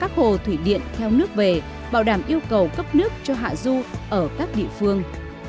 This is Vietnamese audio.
các hồ thủy điện theo nước về bảo đảm yêu cầu cấp nước cho hạ du ở các địa phương